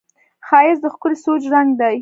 ښایست د ښکلي سوچ رنګ دی